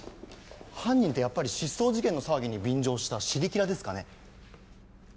犯人ってやっぱり失踪事件の騒ぎに便乗したシリキラですかね？